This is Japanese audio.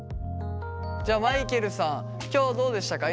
じゃあマイケルさん。今日はどうでしたか？